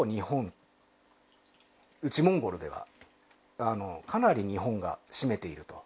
モンゴルではかなり日本が占めていると。